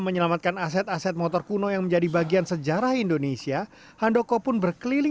menyelamatkan aset aset motor kuno yang menjadi bagian sejarah indonesia handoko pun berkeliling